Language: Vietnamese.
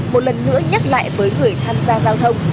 một lần nữa nhắc lại với người tham gia giao thông